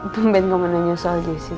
pemben gak mau nanya soal gizi